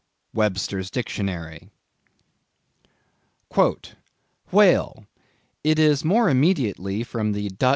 —Webster's Dictionary. "WHALE. It is more immediately from the Dut.